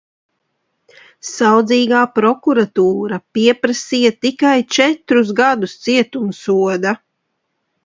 Saudzīgā prokuratūra pieprasīja tikai četrus gadus cietumsoda.